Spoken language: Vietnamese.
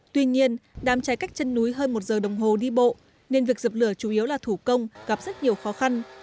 tuy nhiên đám cháy cách chân núi hơn một giờ đồng hồ đi bộ nên việc dập lửa chủ yếu là thủ công gặp rất nhiều khó khăn